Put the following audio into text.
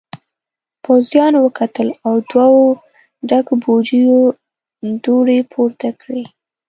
پوځيانو وکتل او دوو ډکو بوجيو دوړې پورته کړې.